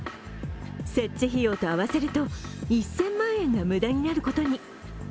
設置費用と合わせると、１０００万円が無駄になることに。